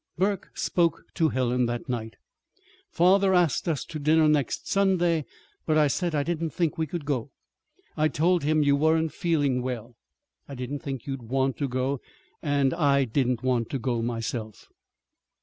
Burke "spoke to Helen" that night. "Father asked us to dinner next Sunday; but I said I didn't think we could go. I told him you weren't feeling well. I didn't think you'd want to go; and I didn't want to go myself."